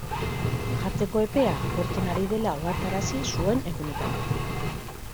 Jartzeko epea agortzen ari dela ohartarazi zuen egunetan.